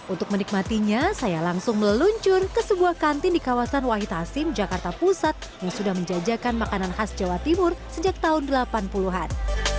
untuk menikmatinya saya langsung meluncur ke sebuah kantin di kawasan wahid hasim jakarta pusat yang sudah menjajakan makanan khas jawa timur sejak tahun delapan puluh an